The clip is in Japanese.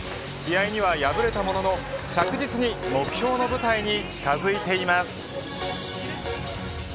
試合には敗れたものの着実に目標の舞台に近づいています。